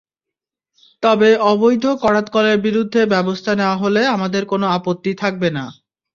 তবে অবৈধ করাতকলের বিরুদ্ধে ব্যবস্থা নেওয়া হলে আমাদের কোনো আপত্তি থাকবে না।